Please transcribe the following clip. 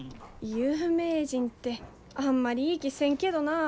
有名人ってあんまりいい気せんけどなあ。